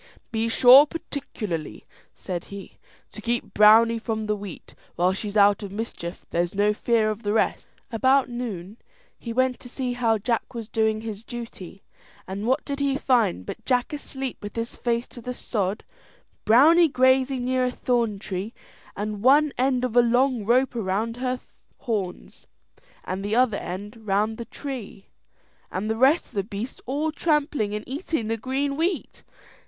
"Be sure, particularly," said he, "to keep Browney from the wheat; while she's out of mischief there's no fear of the rest." About noon, he went to see how Jack was doing his duty, and what did he find but Jack asleep with his face to the sod, Browney grazing near a thorn tree, one end of a long rope round her horns, and the other end round the tree, and the rest of the beasts all trampling and eating the green wheat.